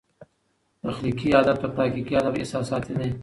تخلیقي ادب تر تحقیقي ادب احساساتي دئ.